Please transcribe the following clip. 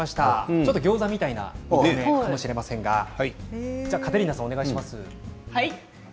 ちょっとギョーザみたいかもしれませんがカテリーナさんお願いします。